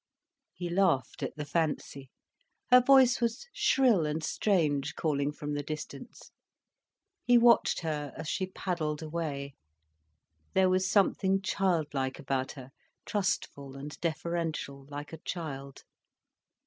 He laughed at the fancy. Her voice was shrill and strange, calling from the distance. He watched her as she paddled away. There was something childlike about her, trustful and deferential, like a child.